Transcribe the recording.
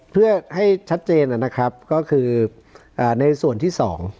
เพื่อให้ชัดเจนนะครับก็คือในส่วนที่สอง